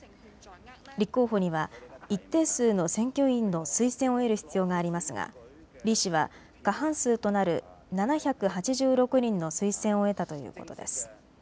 立候補には一定数の選挙委員の推薦を得る必要がありますが李氏は過半数となる７８６人の推薦を得たということです。